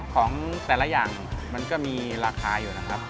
ของแต่ละอย่างมันก็มีราคาอยู่นะครับ